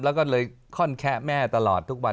แล้วก็เลยค่อนแคะแม่ตลอดทุกวัน